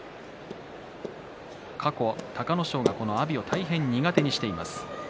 過去、隆の勝が阿炎を大変苦手にしています。